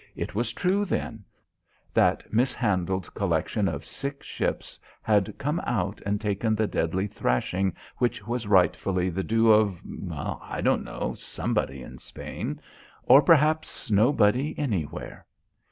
It was true, then; that mishandled collection of sick ships had come out and taken the deadly thrashing which was rightfully the due of I don't know somebody in Spain or perhaps nobody anywhere.